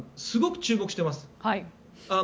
すごく注目しています。